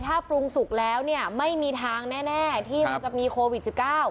ถ้าปรุงสุกแล้วเนี่ยไม่มีทางแน่ที่มันจะมีโควิด๑๙